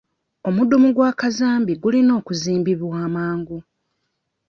Omudumu gwa kazambi gulina okuzimbibwa amangu.